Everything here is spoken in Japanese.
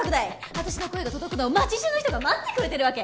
私の声が届くのを町じゅうの人が待ってくれてるわけ。